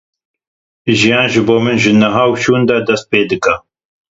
Jiyan ji bo min ji niha û şûn ve dest pê dike.